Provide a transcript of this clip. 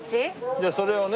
じゃあそれをね